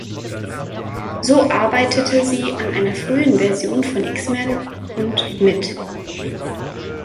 So arbeitete sie an einer frühen Version von X-Men und mit.